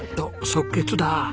即決だ。